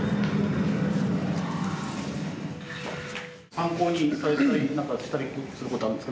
参考にされたりなんかしたりすることあるんですか？